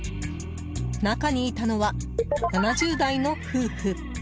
中にいたのは、７０代の夫婦。